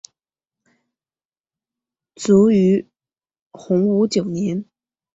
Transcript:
卒于洪武九年。